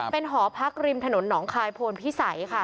เป็นหอพักริมถนนหนองคายโพนพิสัยค่ะ